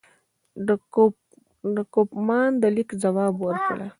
د کوفمان د لیک ځواب ورکړي.